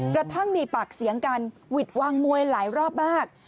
กระทั่งมีปากเสียงกันหวิดวางมวยหลายรอบมาก